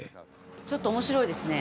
ちょっと面白いですね。